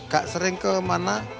gak sering kemana